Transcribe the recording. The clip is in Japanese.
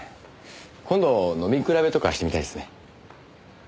今度飲み比べとかしてみたいですね。